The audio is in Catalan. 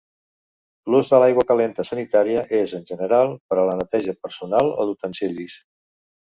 L'ús de l'aigua calenta sanitària és, en general, per a la neteja personal o d'utensilis.